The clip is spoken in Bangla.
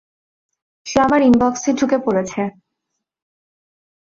সে আমার ইনবক্সে ঢুকে পড়েছে।